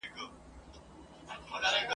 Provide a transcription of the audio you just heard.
یو له بله به په جار او په قربان وه ..